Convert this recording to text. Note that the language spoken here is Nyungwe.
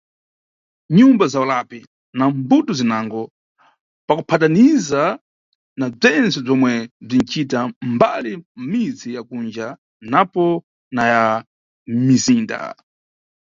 Nʼnyumba za ulapi na mbuto zinango, pakuphataniza na bzentse bzomwe bzinʼcita mbali mʼmidzi ya kunja napo na ya mʼmizinda.